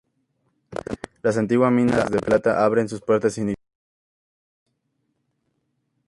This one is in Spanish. La antigua mina de plata abre sus puertas y necesita nuevos trabajadores.